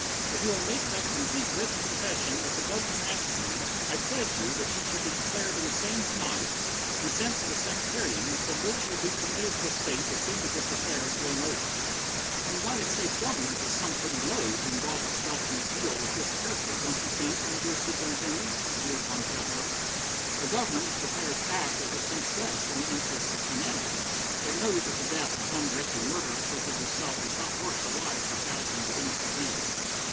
If you will make that complete written confession that the Government asks of you, I pledge you that you shall be declared insane to night, and sent to a sanitarium from which you will be permitted to escape as soon as this affair has blown over." "The United States Government has sunk pretty low, to involve itself in a deal of this character, don't you think, my dear Superintendent?" jeered Von Kettler. "The Government is prepared to act as it thinks best in the interests of humanity. It knows that the death of one wretched murderer such as yourself is not worth the lives of thousands of innocent men!"